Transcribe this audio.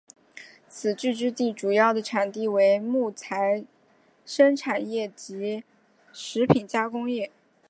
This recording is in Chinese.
此聚居地主要的产业为木材生产业及食品加工业。